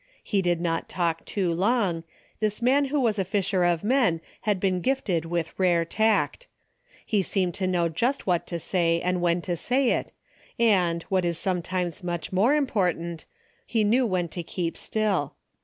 He did not talk too long. This man who was a fisher of men had been gifted with rare tact. He seemed to know just what to say and when to say it and, what is sometimes much more important, he knew when to keep still.